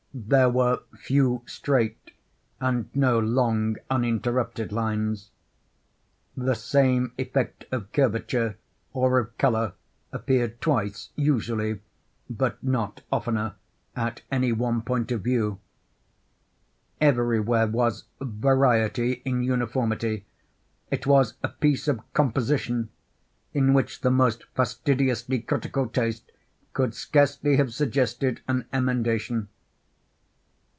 There were few straight, and no long uninterrupted lines. The same effect of curvature or of color appeared twice, usually, but not oftener, at any one point of view. Everywhere was variety in uniformity. It was a piece of "composition," in which the most fastidiously critical taste could scarcely have suggested an emendation.